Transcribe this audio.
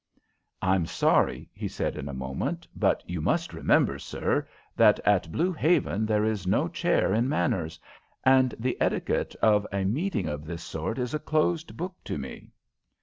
"I'm sorry," he said, in a moment, "but you must remember, sir, that at Blue Haven there is no chair in manners, and the etiquette of a meeting of this sort is a closed book to me."